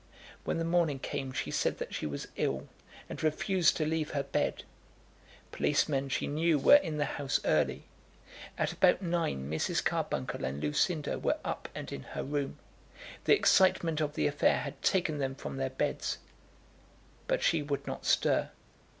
When the morning came she said that she was ill, and refused to leave her bed. Policemen, she knew, were in the house early. At about nine Mrs. Carbuncle and Lucinda were up and in her room. The excitement of the affair had taken them from their beds, but she would not stir.